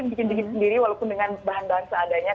bikin bikin sendiri walaupun dengan bahan bahan seadanya